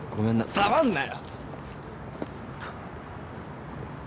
触んなよ！